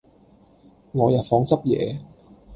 我入房執野